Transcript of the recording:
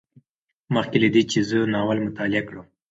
مخکې له دې چې زه ناول مطالعه کړم